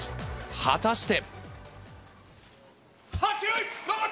果たして。